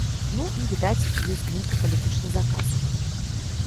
Ну, і, відаць, ёсць нейкі палітычны заказ.